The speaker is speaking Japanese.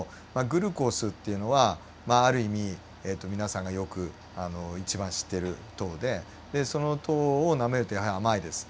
グルコースっていうのはまあある意味皆さんがよく一番知っている糖でその糖をなめるとやはり甘いです。